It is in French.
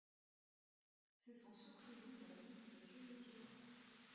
C’est son secret lui-même que Dieu nous dira!